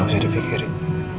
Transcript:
gak usah dipikirin